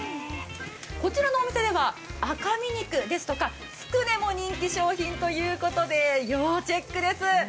こちらのお店では赤身肉ですとかつくねも人気商品ということで要チェックです。